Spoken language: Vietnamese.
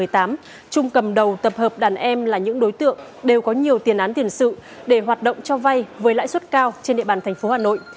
trung cầm đầu tập hợp đàn em là những đối tượng đều có nhiều tiền án tiền sự để hoạt động cho vay với lãi suất cao trên địa bàn thành phố hà nội